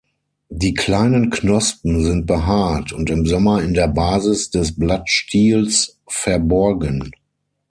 Die kleinen Knospen sind behaart und im Sommer in der Basis des Blattstiels verborgen.